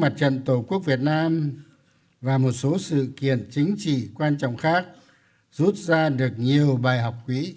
mặt trận tổ quốc việt nam và một số sự kiện chính trị quan trọng khác rút ra được nhiều bài học quý